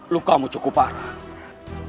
lukamu cukup parah